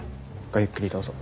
ごゆっくりどうぞ。